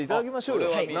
何？